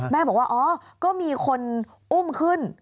แม่บอกว่าอ๋อก็มีคนอุ้มขึ้น